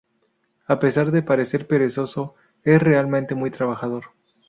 A pesar de parecer perezoso, es realmente muy trabajador.